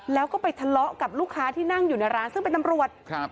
แล้วก็ไปทะเลาะกับลูกค้าที่นั่งอยู่ในร้านซึ่งเป็นตำรวจครับ